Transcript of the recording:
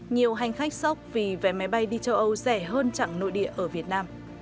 nhiều hành khách sốc vì vé máy bay đi châu âu rẻ hơn chặng nội địa ở việt nam